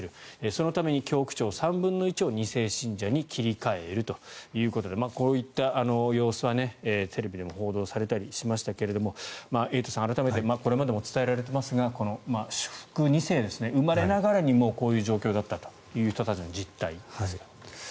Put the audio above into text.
そのために教区長３分の１を２世信者に切り替えるということでこういった様子はテレビでも報道されたりしましたがエイトさん、改めてこれまでも伝えられていますが祝福２世生まれながらにこういう状況にあった人たちについて。